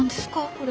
これ。